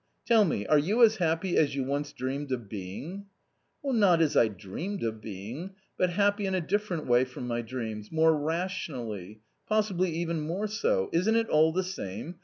Tell me, are you as happy as you once dreamed of being?" "Not as I dreamed of being, but happy in a different way from my dreams, more rationally, possibly even more so — isn't it all the same